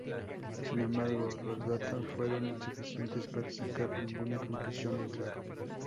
Sin embargo los datos fueron insuficientes para sacar ninguna conclusión en claro.